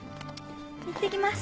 いってきます。